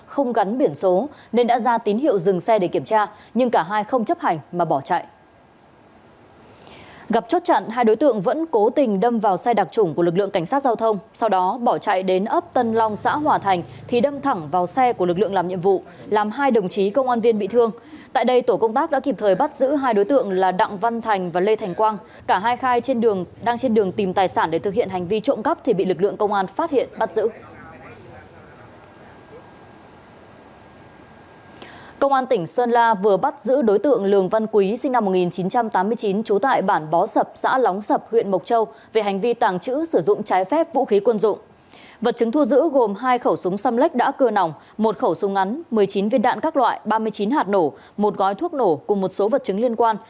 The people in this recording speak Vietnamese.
hai khẩu súng xâm lách đã cưa nòng một khẩu súng ngắn một mươi chín viên đạn các loại ba mươi chín hạt nổ một gói thuốc nổ cùng một số vật chứng liên quan